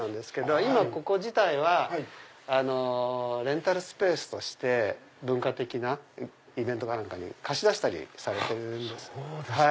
今ここ自体はレンタルスペースとして文化的なイベントなんかに貸し出したりされてるんですよ。